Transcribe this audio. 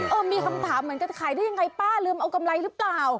มีคำถามเหมือนกันขายได้ยังไงป้าลืมเอากำไรหรือเปล่า